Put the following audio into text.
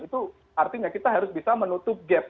itu artinya kita harus bisa menutup gap